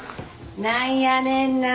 何やねんな。